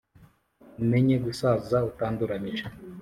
Umenye gusaza utanduranyije